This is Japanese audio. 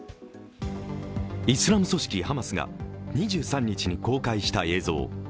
イスラム組織ハマスが２３日に公開した映像。